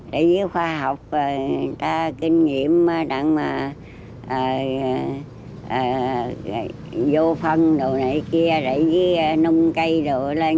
để với khoa học người ta kinh nghiệm đặng vô phân đồ này kia để với nung cây đồ lên